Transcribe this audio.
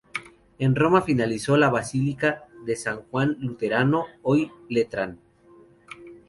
En Roma finalizó la basílica de San Juan Laterano, hoy Letrán.